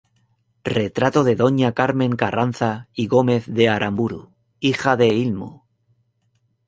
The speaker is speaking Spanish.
Retrato de Doña Carmen Carranza y Gómez de Aramburu, hija del Ilmo.